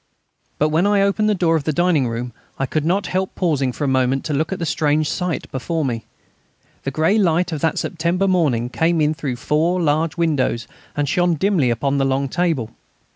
But when I opened the door of the dining room I could not help pausing for a moment to look at the strange sight before me. The grey light of that September morning came in through four large windows and shone dimly upon the long table.